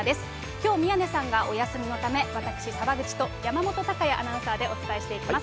きょう、宮根さんがお休みのため、私、澤口と山本隆弥アナウンサーでお伝えしていきます。